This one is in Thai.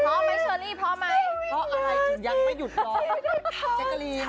เพราะไม่เชอรี่เพราะไม่เพราะอะไรยังไม่หยุดร้อยแจ็คเกอร์ลีน